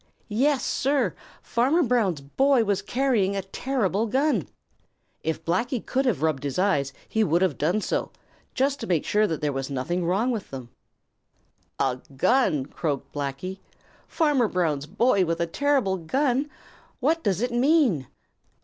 Yes, Sir, Farmer Brown's boy was carrying a terrible gun! If Blacky could have rubbed his eyes, he would have done so, just to make sure that there was nothing the matter with them. "A gun!" croaked Blacky. "Farmer Brown's boy with a terrible gun! What does it mean?"